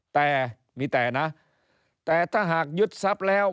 แต่มีแต่นะแต่ถ้าหากยึดทรัพย์แล้ว